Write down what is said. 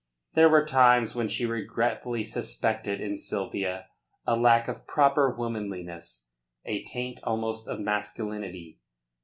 There were times when she regretfully suspected in Sylvia a lack of proper womanliness, a taint almost of masculinity.